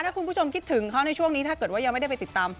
ถ้าคุณผู้ชมคิดถึงเขาในช่วงนี้ถ้าเกิดว่ายังไม่ได้ไปติดตาม